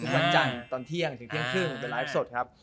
วันจันทร์ตอนเที่ยงถึงเที่ยงครึ่งไปไลฟ์สดครับ